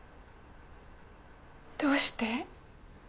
どうして？